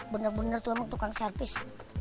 bener bener tuh emang tukang servis